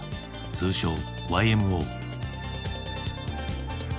通称ＹＭＯ。